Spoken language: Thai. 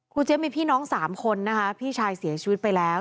เจี๊ยมีพี่น้อง๓คนนะคะพี่ชายเสียชีวิตไปแล้ว